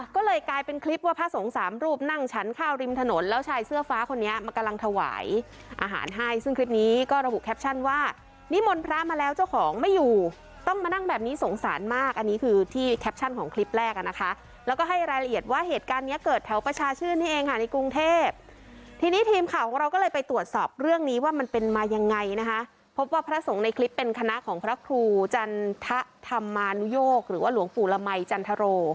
ก็เลยกลายเป็นคลิปว่าพระสงฆ์สามรูปนั่งฉันข้าวริมถนนแล้วชายเสื้อฟ้าคนนี้มากำลังถวายอาหารให้ซึ่งคลิปนี้ก็ระบุแคปชั่นว่านี่มนตร์พระมาแล้วเจ้าของไม่อยู่ต้องมานั่งแบบนี้สงสารมากอันนี้คือที่แคปชั่นของคลิปแรกนะคะแล้วก็ให้รายละเอียดว่าเหตุการณ์นี้เกิดแถวประชาชื่นนี่เองค่ะในกรุงเทพทีนี้ท